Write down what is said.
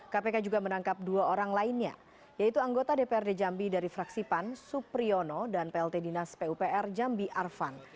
kpk juga menangkap dua orang lainnya yaitu anggota dprd jambi dari fraksi pan supriyono dan plt dinas pupr jambi arvan